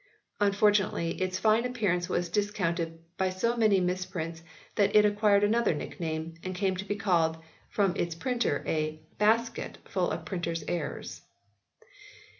Unfortunately its fine appearance was discounted by so many misprints that it acquired another nickname and came to be called from its printer " a BasJcett full of printers errors."